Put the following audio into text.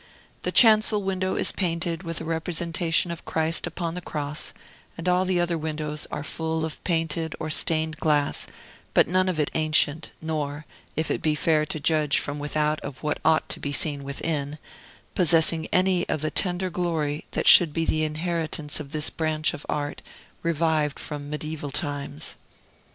The chancel window is painted with a representation of Christ upon the Cross, and all the other windows are full of painted or stained glass, but none of it ancient, nor (if it be fair to judge from without of what ought to be seen within) possessing any of the tender glory that should be the inheritance of this branch of Art, revived from mediaeval times.